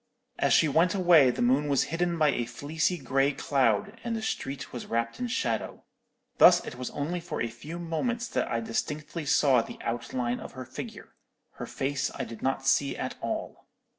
As she went away the moon was hidden by a fleecy grey cloud, and the street was wrapped in shadow. Thus it was only for a few moments that I distinctly saw the outline of her figure. Her face I did not see at all.